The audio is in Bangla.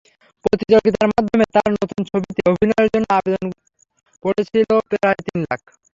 প্রতিযোগিতার মাধ্যমে তাঁর নতুন ছবিতে অভিনয়ের জন্য আবেদন পড়েছিল প্রায় তিন লাখ।